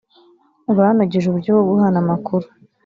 banogeje uburyo bwo guhana amakuru